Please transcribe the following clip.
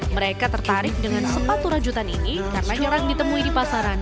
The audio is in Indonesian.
mereka tertarik dengan sepatu rajutan ini karena jarang ditemui di pasaran